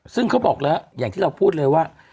ซึ่งเขาบอกแล้วอย่างที่เราพูดเลยว่า